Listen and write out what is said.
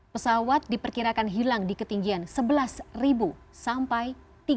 pesawat diperkirakan hilang di ketinggian sebelas sampai tiga puluh